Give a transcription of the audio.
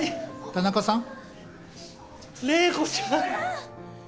田中さん！